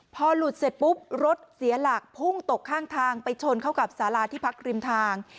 พอหลุดเสร็จปุ๊บรถเสียหลักพุ่งตกข้างทางไปชนเข้ากับสาราที่พักริมทาง